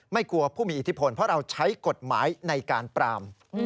กลัวผู้มีอิทธิพลเพราะเราใช้กฎหมายในการปราม